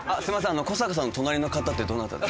あの古坂さんの隣の方ってどなたですか？